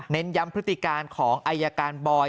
เง้นย้ำพฤติการของไอ้ยาการบอย